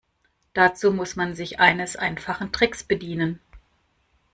Dazu muss man sich eines einfachen Tricks bedienen.